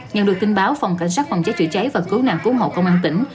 nhận được tin báo phòng cảnh sát phòng cháy chữa cháy và cứu nạn cứu hộ công an tỉnh